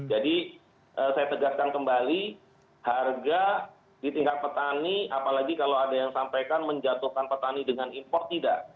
jadi saya tegaskan kembali harga di tingkat petani apalagi kalau ada yang sampaikan menjatuhkan petani dengan impor tidak